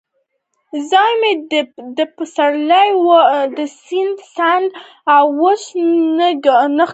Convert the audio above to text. ځان مې دې ته سپارلی و، د سیند څنډه اوس نه ښکارېده.